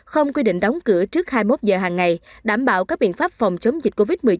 không quy định đóng cửa trước hai mươi một giờ hàng ngày đảm bảo các biện pháp phòng chống dịch covid một mươi chín